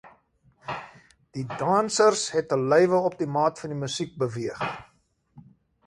Die dansers het hul lywe op die maat van die musiek beweeg.